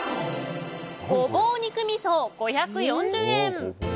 ごぼう肉みそ、５４０円。